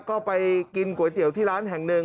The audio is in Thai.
ก็ไปกินก๋วยเตี๋ยวที่ร้านแห่งหนึ่ง